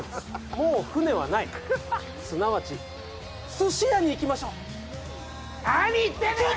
もう船はないすなわち寿司屋に行きましょう何言ってんのよ！